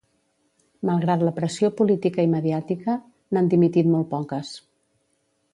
Malgrat la pressió política i mediàtica, n’han dimitit molt poques.